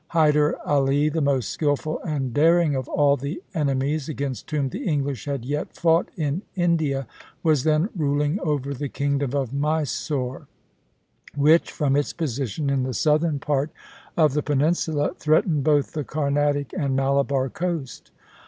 Hyder Ali, the most skilful and daring of all the enemies against whom the English had yet fought in India, was then ruling over the kingdom of Mysore, which, from its position in the southern part of the peninsula, threatened both the Carnatic and the Malabar coast.